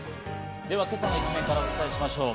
では、今朝の一面からお伝えしましょう。